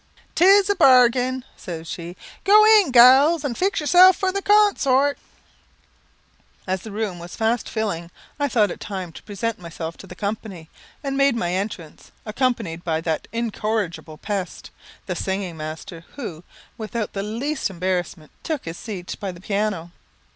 "'Tis a bargain," says she. "Go in, galls, and fix yourselves for the con sort." As the room was fast filling, I thought it time to present myself to the company, and made my entrance, accompanied by that incorrigible pest, the singing master, who, without the least embarrassment, took his seat by the piano.